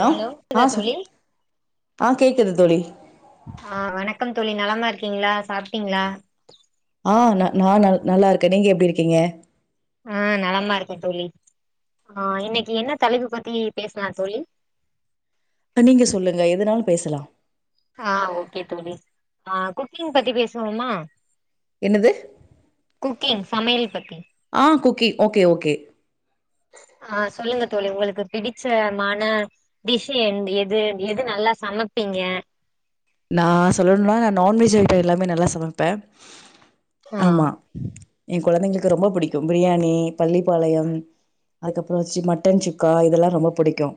Hello கேக்குதா ஆ சொ தோழி ஆ கேட்குது தோழி ஆ வணக்கம் தோழி நலமா இருக்கீங்ளா சாப்பிட்டீங்ளா ஆ நா நா நல்லா இருக்கே நீங்க எப்டி இருக்கீங்க ஆ நலமா இருக்கே தோழி ஆ இன்னைக்கி என்ன தலைப்பு பத்தி பேசலா தோழி இப்ப நீங்க சொல்லுங்க எதுனாலு பேசலா ஆ ஓகே தோழி ஆ குக்கிங் பத்தி பேசுவோமா என்னது குக்கிங் சமையல் பத்தி ஆ குக்கீ ஓகே ஓகே ஆ சொல்லுங்க தோழி உங்களுக்கு பிடிச்சமான டிஷ் எது எது நல்லா சமைப்பீங்க நா சொல்லணுனா நா நான்வெஜ் ஐட்டோ எல்லாமே நல்லா சமைப்ப ஆ ஆமா எ கொழந்தைங்களுக்கு ரொம்ப பிடிக்கு பிரியாணி, பள்ளிப்பாளையம் அதுக்கப்றோ சி மட்டன் சுக்கா இதெல்லா ரொம்ப புடிக்கு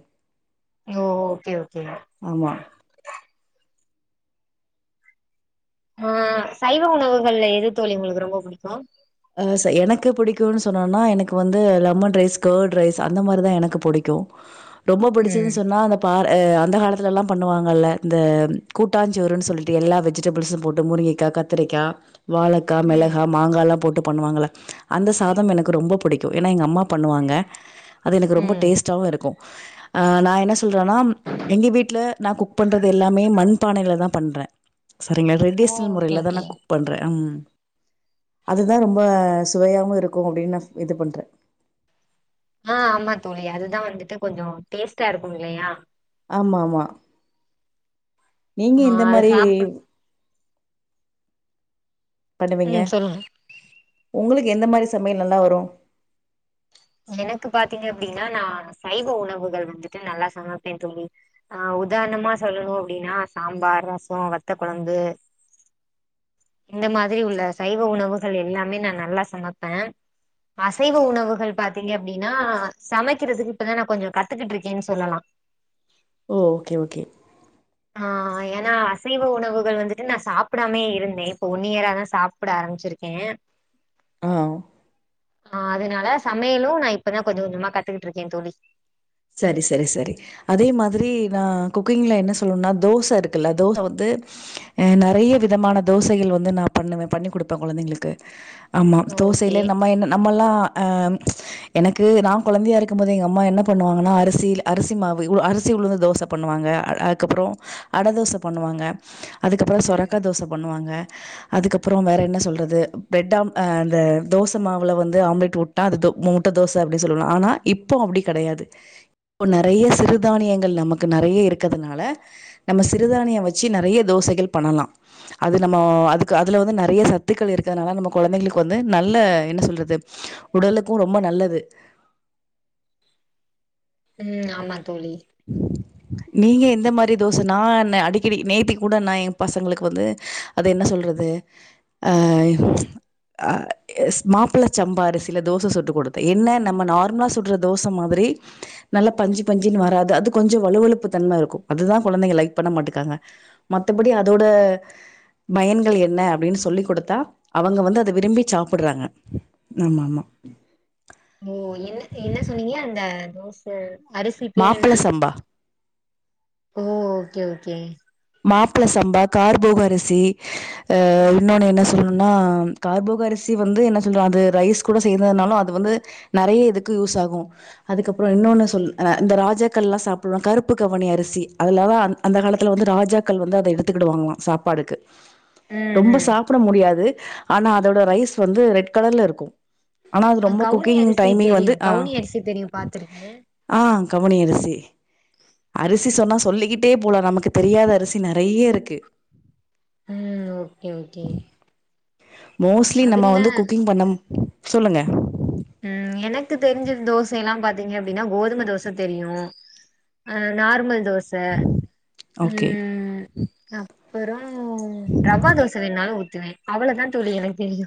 ஓ ஓகே ஓகே ஆமா ஆ சைவ உணவுகள்ல எது தோழி உங்களுக்கு ரொம்ப புடிக்கு ஆ சை எனக்கு புடிக்குன்னு சொன்னோனா எனக்கு வந்து லெமன் ரைஸ் கர்டு ரைஸ் அந்த மாரிதா எனக்கு புடிக்கு [inaudible] ரொம்ப புடிச்சது ம் சொன்னா அந்த பா ஆ அந்த காலத்துலெல்லா பண்ணுவாங்கல்ல இந்த கூட்டாஞ்சோறுனு சொல்லிட்டு எல்லா வெஜிடபிள்ஸ்ம் போட்டு முருங்கக்கா கத் திரிக்கா, வாழைக்கா ம் மிளகா மாங்காலா போட்டு பண்ணுவாங்கள அந்த சாதம் எனக்கு ரொம்ப புடிக்கும் ஏன்னா எங்க அம்மா பண்ணுவாங்க அது எனக்கு ரொம்ப ம் டேஸ்ட்டாவு இருக்கு ஆ நா என்ன சொல்றன்னா எங்க வீட்ல நா குக் பண்றது எல்லாமே மண் பானைலதா பண்ற சரிங்களா ஓ ரெடிஸ்னல் ஓகே முறையிலதா நா ஓகே குக் பண்ற, ம் தா ரொம்ப சுவையாவு இருக்கு அப்டினு நா இது பண்றே ஆ, ஆமா தோழி அதுதா வந்துட்டு கொஞ்சோ டேஸ்ட்டா இருக்கு இல்லையா ஆமா ஆமா, நீங்க ஆ இந்த அது மாரி சாப்ப பண்ணுவீங்க ம் சொல்லுங்க உங்களுக்கு எந்த மாரி சமையல் நல்லா வரு எனக்கு பாத்தீங்க அப்டின்னா நா சைவ உணவுகள் வந்துட்டு நல்லா சமப்பே தோழி ஆ உதாரணமா சொல்லணு அப்டின்னா சாம்பார், ரசோ, வத்த கொழம்பு இந்த மாதிரி உள்ள சைவ உணவுகள் எல்லாமே நா நல்லா சமப்ப அசைவ உணவுகள் பாத்தீங்க அப்டின்னா சமைக்கிறதுக்கு இப்பதா நா கொஞ்சோ கத்துக்கிட்டு இருக்கேனு சொல்லலா ஓ ஓகே ஓகே [inaudible] ஆ ஏனா அசைவ உணவுகள் வந்துட்டு நா சாப்டாமே இருந்தே இப்ப ஒன்‌ இயராதா சாப் புட ஆரம்பிச்சிருக்கே ஆ ஆ அதனால சமையலு நா இப்பதா கொஞ்ச கொஞ்சமா கத்துக்கிட்ருக்கே தோழி சரி சரி சரி அதே மாதிரி நா குக்கிங்ல என்ன சொல்லணும்னா தோச இருக்குல்ல தோச வந்து அ நறைய விதமான தோசைகள் வந்து நா பண்ணுவே பண்ணி் குடுப்பே கொழந்தைங்களுக்கு ஆமா ஓகே தோசையில நம்ம என்ன நம்மல்லாம் ம் அ எனக்கு நா கொழந்தையா இருக்கும் போது எங்க அம்மா என்ன பண்ணுவாங்கன்னா அரிசில அரிசி மாவு அரிசி உளுந்து தோச பண்ணுவாங்க அதுக்கப்றோ அட தோச பண்ணுவாங்க அதுக்கப்பறம் ம் சொரக்கா தோச பண்ணுவாங்க அதுக்கப்பறம் வேற என்ன சொல்றது பிரட் ஆம் ஆ இந்த தோசை மாவுல வந்து ஆம்லேட் ஊத் தா அது தோ முட்ட தோச அப்டி சொல்லுவோம்ல ஆனா இப்போ அப்டி கெடையாது இப்போ நறைய சிறுதானியங்கள் நமக்கு நறைய இருக்கறதுனால நம்ம சிறுதானியோ வச்சு நறைய தோசைகள் பண்ணலா அது நம்மோ அதுக்கு அதுல வந்து நறைய சத்துக்கள் இருக்கனால நம்ம கொழந்தைங்களுக்கு வந்து நல்ல என்ன சொல்றது உடலுக்கு ரொம்ப நல்லது ம் ஆமா தோழி நீங்க எந்த மாரி தோச நா அடிக்கடி நேத்திக் கூட நா எயா பசங்களுக்கு வந்து அது என்ன சொல்றது அ ஆ எஸ் மாப்ள சம்பா அரிசில தோச சுட்டு குடுத்தே என்ன நம்ம நார்மலா சுட்ற தோச மாதிரி நல்லா பஞ்சு பஞ்சின்னு வராது அது கொஞ்சோ வலுவலுப்பு தன்ம இருக்கு அதுதா கொழந்தைங்க லைக் பண்ண மாட்டுக்காங்க மத்தபடி அதோட பயன்கள் என்ன அப்டின் சொல்லி குடுத்தா அவங்க வந்து அத விரும்பி சாப்புட்றாங்க ஆமா ஆமா ஓ என்ன என்ன சொன்னீங்க அந்த தோச அரிசி பேரு மாப்பிள என்னா சம்பா. ஓ ஓகே ஓகே மாப்ள சம்பா கார்போக அரிசி அ ம் இன்னொன்னு என்ன சொ சொல்லணும்னா கார்போக அரிசி வந்து என்ன சொல்லற அது ரைஸ் கூட செந்துனாலும் அது வந்து நறைய இதுக்கு யூஸ் ஆகும் அதுக்கப்றோ இன்னொன்னு சொல் அ இந்த ராஜாக்கள்லா சாப்புடுவாங் கருப்பு கவனி அரிசி அதுல தா அந் அந்த காலத்துல வந்து ராஜ் ராஜாக்கள் வந்து அத எடுத்துக்கிடு வாங்கலா சாப்பாடுக்கு ம் ரொம்ப ம் சாப்ப சாப்ட முடியாது ஆனா அதோட ரைஸ் வந்து ரெட் கலர்ல இருக்கு ஆனா அது ஆ ரொம்ப கவுனி குக்கிங் அரிசி டைமிங் வந்து தெரியும் ஆ கவுனி அரிசி தெரியும் பாத்திருக்கேன் ஆ கவுனி அரிசி அரிசி சொன்னா சொல்லிக்கிட்டே போலா நமக்கு தெரியாத அரி சி நறைய இருக்கு ம் ஓகே ஓகே மோஸ்லி நம்ம அதுல்ல வந்து குக்கிங் பண்ணம் சொல்லுங்க ம் எனக்கு தெரிஞ்ச தோசைலா பாத்தீங்க அப்டினா கோதும தோச தெரியு அ நார்மல் தோச ஓகே ம் அப் அப்பறோ ரவா தோச வேணு நாலு ஊத்துவே அவ்வளதா தோழி எனக்கு தெரியு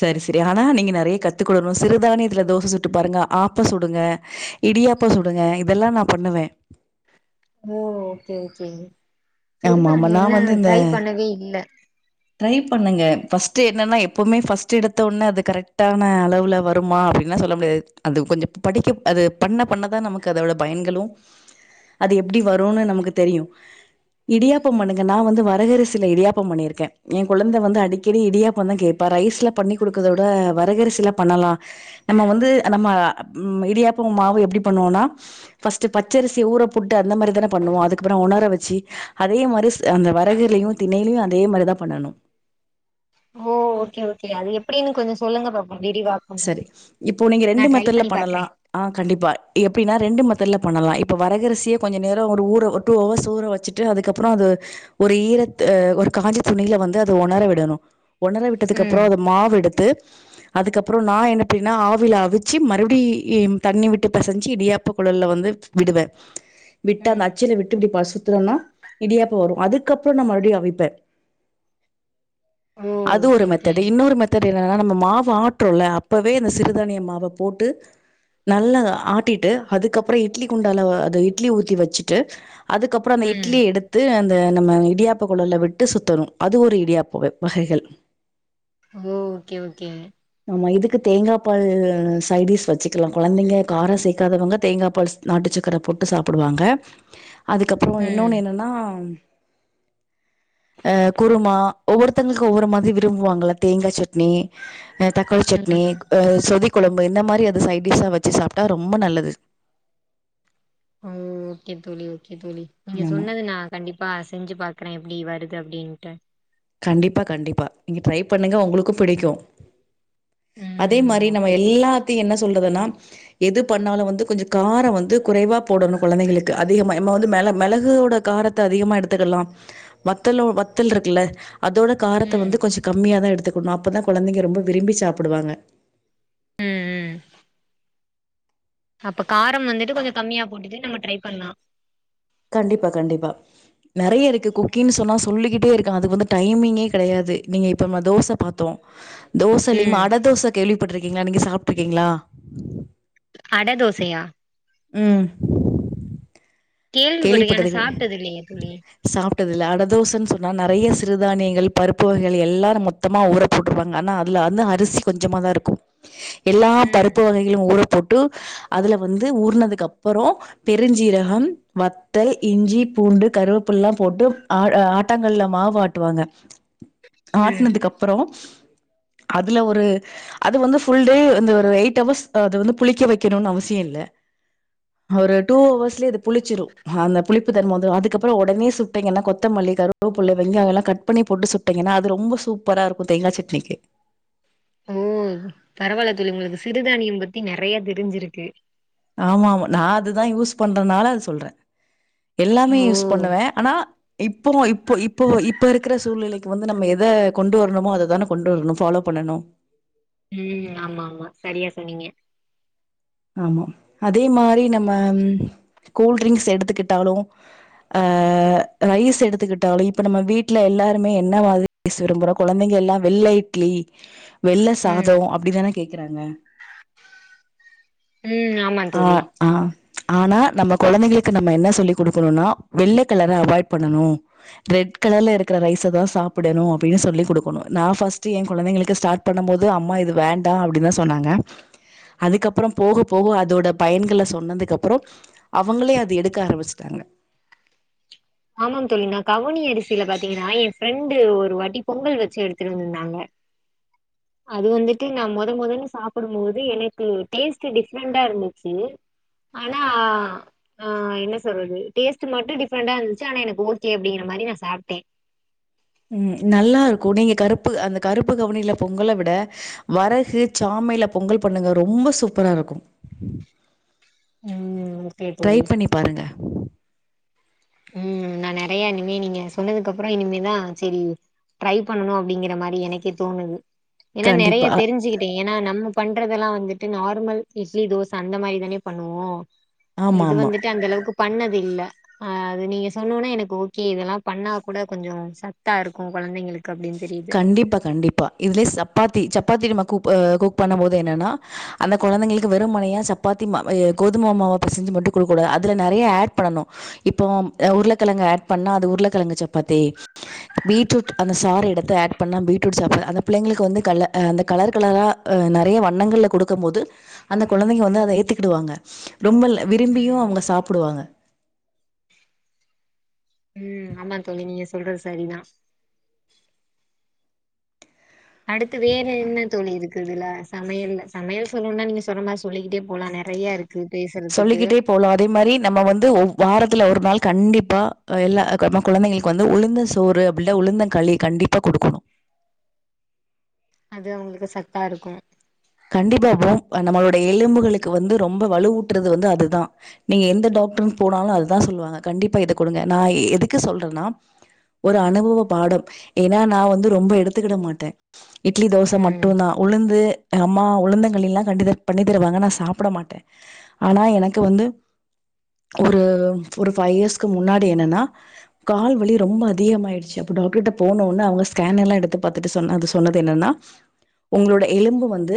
சரி சரி ஆனா நீங்க நறைய கத்துக்கடணு சிறுதானியத்துல தோசை சுட்டு பாருங்க ஆப்போ சுடுங்க இடியாப்பௌ சுடுங்க இதெல்லா நா பண்ணுவே ஓ ஓகே ஓகே ஆமா ஆமா நா சிறுதானியோலா வந்து இந்த ட்ரை பண்ணவே இல்ல ட்ரை பண்ணுங்க ஃபர்ஸ்ட் என்னன்ன எப்பவுமே பர்ஸ்ட் எடுத்த ஒட்னே அது கரெக்டான அளவுல வருமா அப்டி ன்லா சொல்ல முடியாது அது கொஞ்சம் படிக்க அது பண்ண பண்ணதா நமக்கு அதோட பயன்களு அது எப்டி வருனு நமக்கு தெரியு இடியாப்பம் பண்ணுங்க நா வந்து வரகரிசில இடியாப்பம் பண்ணிருக்கே எ குழந்த வந்து அடிக்கடி இடியாப்பம் தா கே ப்பா ரைஸ்ல பண்ணி கொடுக்கத விட வரகரிசிலா பண்ணலா நம்ம வந்து நம்ம. ம் இடியாப்ப மாவு எப்டி பண்ணுவோனா ஃபர்ஸ்ட் பச்சரிசிய ஊற போட்டு அந்த மாரிதான பண்ணுவோ அதுக்கப்பற ஒணர வச்சு அதே மாரி ஸ் அந்த வரகுலயு திணைலயு அதே மாரி தா பண்ணணு ஓ ஓக்கே ஓக்கே அது எப்டின்னு கொஞ்சோ சொல்லுங்க பாப்போ விரிவா சரி இப்போ நீங்க ரெண்டு மெத்தட்ல பண்ணலா பாக்குறே ஆ கண்டிப்பா எப்டினா ரெண்டு மெத்தேட்ல பண்ணலா இப்ப வரகரசிய கொஞ்சோ நேரோ ஒரு ஊர ஒரு டூ ஹவர்ஸ் ஊர வச்சு ட்டு அதுக்கப்றோ அது ஒரு ஈரத் அ ஒரு காஞ்ச துணில வந்து அது ஒணர விடணு ஒனர விட்டதுக்கு அப்றோ ம் அத மாவு எடுத்து அதுக்கப் ப்றோ நா என்ன [inaudible] ப்டின்னா ஆவில அவிச்சு மறுபடியு இ தண்ணி விட்டு பெசைஞ்சு இடியாப்ப குழல்ல வந்து விடுவே விட்டு அந்த ம் அச்சுல விட்டு இப்டிபா சுத்துனனா இடியாப்ப வரு அதுக்கப்றோ நா மறுபடியு அவிப்பே ஓ அது ஒரு ஓகே ஓகே மெத்தேடு இன்னொரு மெத்தேடு என்னன்னா நம்ம மாவு ஆட் றோல அப்பவே இந்த சிறுதானிய மாவ போட்டு நல்லா அத ஆட்டிட்டு அதுக்கப்றோ இட்லி குண்டால அத இட்லி ஊத்தி வச்சுட்டு அதுக்கப்றோ அந்த ம் இட்லிய எடு த்து அந்த நம்ம இடியாப்ப குழல்ல விட்டு சுத்தணு அது ஒரு இடியாப்ப வ வகைகள் ஓ ஓகே ஓகே ஆமா இதுக்கு தேங்கா பால் சைடிஷ் வச்சுக்கலா கொழந்தைங்க காரோ சேக்காதவங்க தேங்கா பால் நாட்டுச்சக்கர போட்டு சாப்புடுவாங்க அதுக்கப்றோ ம் இன்னொன்னு என்னன்னா அ குருமா ஒவ்வொருத்தவங்களுக்கு ஒவ்வொரு மாரி விரும்புவாங்கள தேங்கா சட்னி அ தக்காளி சட்னி ம் அ சொதி குழம்பு இந்த மாரி அது சைடிஷ்ஷா வச்சு சாப்ட்டா ரொம்ப நல்லது ம் ஓக்கே தோழி ஓக்கே தோழி நீங்க ஆமா. சொன்னது நா கண்டிப்பா செஞ்சு பாக்றே எப்டி வருது அப்டின்ட்டு கண்டிப்பா கண்டிப்பா நீங்க ட்ரை பண்ணுங்க ஒங்களுக்கு பிடிக்கு அதே ம் மாரி நம்ம ஓகே தோழி எல்லாத்தையு என்ன சொல்றதுன்னா எது பண்ணாலு வந்து கொஞ்சோ கார வந்து குறைவா போடணு கொழந்தைங்களுக்கு அதிகமா எம்ம வந்து மிள மிளகோட காரத் த அதிகமா எடுத்துக்கலாம் வத்தலு வத்தல் இருக்குல்ல அதோட காரத்த ம் வந்து கொஞ்சோ கம்மியா தா எடுத்துக்கணு அப்போ தா குழந்தைங்க ரொம்ப விரும்பி சாப்பிடுவாங்க ம் ம் அப்ப காரம் வந்துட்டு கொஞ்சோ கம்மியா போட்டுட்டு நம்ம ட்ரை பண்லா கண்டிப்பா கண்டிப்பா நிறைய இருக்கு குக்கின் சொன்னால் சொல்லிக்கிட்டே இருக்லா அதுக்கு வந்து டைமிங்கே கிடையாது நீங்க இப்போ நம தோசை பாத்தோ தோசலிம் ம் அட தோச கேள்விப்பட்டிருக்கீங்ளா நீங்க சாப்ட்டுருக்கீங்ளா அட தோசையா ம் கேள்விப்பட்டுக்கே ஆனா கேள்விப்பட்டது கெடை சாப்ட்டது இல்லையே தோழி சாப்ட்டதில்ல அடதோசன் சொன்னா நெறய சிறுதானியங்கள் பருப்பு வகைகள் எல்லாரொ மொத் தமா ஊற போட்ருவாங்க ஆனா அதுல வந்து அரிசி கொஞ்சோமாதா இருக்கு எல்லா ம் பருப்பு வகை கள ஊறப்போட்டு அதுல வந்து ஊர்னதுக்கு அப்பறோ பெருஞ்சீரகம் வத்தல் இஞ்சி பூண்டு கருவேப்புல்லா போட்டு ஆ ஆட்டங்கல்ல மாவு ஆட்டுவாங்க ம் ஆட்டனதுக்கு அப்புறோ அதுல ஒரு அது வந்து ஃபுல் டே இந்த ஒரு எயிட் அவர்ஸ் அது வந்து புளிக்க வைக்கணுனு அவசியோ இல்ல ஒரு டூ அவர்ஸ்லயே இது புளிச்சிறு அ அந்த புளிப்பு தன்ம வந்துரு அதுக்கப்புறோ உடனே சுட்டீங்கன்ன கொத்தமல்லி கருவேப்பில்ல வெங்காயோலா கட் பண்ணி போட்டு சுட் ட்டீங்கன்னா அது ரொம்ப சூப்பரா இருக்கு தேங்கா சட்னிக்கு ஓ பரவாயில்ல தோழி உங்களுக்கு சிறுதானியம் பத்தி நெறையா தெரிஞ்சிருக்கு ஆமா ஆமா நா அதுதா யூஸ் பண்றனால அது சொல்றே எல்லாமே ஓ யூஸ் பண்ணுவே ஆனா இப்பவு இப்போ இப்போ இப்ப இருக்கிற சூழ்நிலைக் இப்ப வந்து நம்ம எத கொண்டு வர்ணுமோ அததானே கொண்டு வரணு ஃபாலோ பண்ணணு ம் ஆமா ஆமா சரியா சொன்னீங்க ஆமா அதே மாரி நம்ம கூல்டரிங்க்ஸ் எடுத்துக்கிட்டாலு ஆ ரைஸ் எடுத்துக்கிட்டாலு இப்ப நம்ம வீட்டுல எல்லாருமே என்னவாது ஸ் விரும்புற குழந்தைங்க எல்லா வெள்ள இட்லி வெள்ள சாதோ ம் அப்டிதானே கேக்குறாங்க ம் நாப் ஆ ஆ ம்ச் ஆனா நம்ம குழந்தைகளுக்கு நம்ம என்ன சொல்லி குடுக்கணும்னா வெள்ள கலர அவாய்ட் பண்ணணு ரெட் கலர்ல இருக்க ரைஸை தா சாப்பிடணு அப்டின்னு சொல்லி குடுக்கணு நா ஃபர்ஸ்ட்டு என் குழந்தைங்களுக்கு ஸ்டார்ட் பண்ணும் போது அம்மா இது வேண்டா அப்டிதா சொன்னாங்க அதுக்கப்புறம் போக போக அதோட பயன்கள சொன்னதுக்குப்புறோ அவங்களே அது எடுக்க ஆரம்பிச்சட்டாங்க ஆமாங்க தோழி நா கவுனி அரிசியில பாத்தீங்கன்னா எ ஃப்ரெண்டு ஒரு வாட்டி பொங்கல் வச்சு எடுத்துட்டு வந்திருந்தாங்க அது வந்துட்டு நா மொத மொதல்ல சாப்பிடும் போது எனக்கு டேஸ்ட் டிஃப்ரெண்டா இருந்துச்சு ஆனா ஆ என்ன சொல்றது டேஸ்ட்டு மட்டு டிஃப்ரெண்டா இருந் ச்சானா எனக்கு ஓகே அப்படிங்கற மாரி நா சாப்ட்டே ம் நல்லா இருக்கும் நீங்க கருப்பு அந்த கருப்பு கவுனியில பொங்கல விட வரகு சாமையில பொங்கல் பண்ணுங்க ரொம்ப சூப்பரா இருக்கு ம் ஓகே ட்ரை தோழி பண்ணி பாருங்க ம் நா நெறையா இனிமே நீங்க சொன்னதுக்கப்புறோ இனிமேதா சரி ட்ரை பண்ணன்னு அப்படிங்கற மாரி எனக்கே தோணுது ஏன்னா நெறையா கண்டிப்பா தெரிஞ்சுக்கிட் டேன்னா நம்ம பண்றதெல்லா வந்துட்டு நார்மல் இட்லி தோச அந்த மாரி தானே பண்ணுவோ ஆமா இது ஆமா வந்துட்டு அந்த அளவுக்கு பண்ணது இல்ல அ அது நீங்க சொன்னோனா எனக்கு ஓகே இதெல்லா பண்ணா கூட கொஞ்சோ சத்தாருக்கு குழந்தைங்களுக் கண்டிப்பா கண்டிப்பா இதுலயே சப்பாத்தி சப்பாத்தி நம்ம குப குக் பண்ணும் போது என்னன்னா அந்த கொழந்தைங்களுக்கு வெறும்மனையா சப்பாத்தி மா வய கோதும மாவ பெசஞ்சி மட்டு குடுக் கூடாது அதுல நெறையா ஆட் பண்ணணு இப்போம் அ உருளைக்கிழங்கு ஆட் பண்ணா அது உருளைக்கிழங்கு சப்பாத்தி பீட்ரூட் அந்த சார எடுத் து ஆட் பண்ணா பீட்ரூட் சாப்பிடுற அந்த பிள்ளைங்களுக்கு வந்து கல அந்த கலர் கலரா அ நெறைய வண்ணங்கள்ல குடுக்கும் போது அந்த கொழந்தைங்க வந்து அத ஏத்துக்கிடுவாங்க ரொம்ப லை விரும்பியு ம் அவுங்க சாப்புடுவாங்க ம் ஆமா தோழி நீங்க சொல்றது சரிதா அடுத்து வேற என்ன தோழி இருக்கு இதுல சமையல்ல சமையல் சொல்லணும்னா நீங்க சொல்ற மாரி சொல்லிக்கிட்டே போலா நெறைய இருக் கு பேசுறதுக்கு போல அதே மாரி நம்ம வந்து ஒ வாரத்துல ஒரு நாள் கண்டிப்பா எல்லா நம்ம கொழந்தைங்க வந்து உழுந்த சோறு அப்டில்ல உழுந்த களி கண்டிப்பா குடுக்கணு அது அவங்களுக்கு சத்தாருக்கு கண்டிப்பாபா நம்மளோட எலும்புகளுக்கு வந்து ரொம்ப வலுவு ஊட்டுறது வந்து அதுதா நீங்க எந்த டாக்டர் போனாலு அதுதா சொல்லுவாங்க கண்டிப்பா இத குடுங்க நா எதுக்கு சொல்றேனா ஒரு அனுபவ பாடம் ஏன்னா நா வந்து ரொம்ப எடுத்துக்கிட மாட்ட இட்லி தோசை மட்டு ம் தா உளுந்து அம்மா உலுந்தங் கலில்லா கண்டுக பண்ணி தருவாங்க நா சாப்ட மாட்ட ஆனா எனக்கு வந்து ஒரு ஒரு ஃபைவ் இயர்ஸ்க்கு முன்னாடி என்னனா கால் வலி ரொம்ப அதிகமாயிடுச்சி அப்போ டாக்டர்கிட்ட போனோன்ன அவங்க ஸ்கேன் எல்லா எடுத்து பாத்துட்டு சொன்னாங்க சொன்னது என்னனா உங்களோட எலும்பு வந்து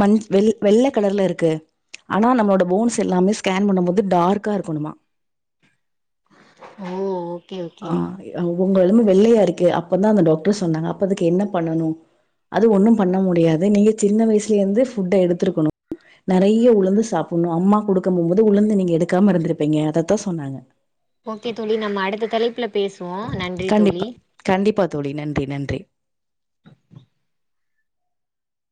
மஞ் வெ வெள்ள கலர்ல இருக்கு ஆனா நம்மளோட போன்ஸ் எல்லாமே ஸ்கேன் பண்ணு போது டார்கா இருக்கணுமா ஓ ஓ ஆ உங்க உடம்பு வெள்ளையா இருக்கு அப்பதா அந்த டாக்டர் சொன்னாங்க அப்ப அதுக்கு என்ன பண்ணனு அது ஒண்ணு பண்ண முடியாது நீங்க சின்ன வயசுல இருந்து ஃபுட்ட எடுத்திருக்கணு நெறய உளுந்து சாப்ட்ணு அம்மா குடுக்கு போம்போது உளுந்து நீங்க எடுக்காம இருந்திருப்பீங்க அததா சொன்னாங்க ஓகே தோழி நம்ம அடுத்த தலைப்பில பேசுவோ நன்றி தோழி கண்டிப்பா. கண்டிப்பா தோழி நன்றி நன்றி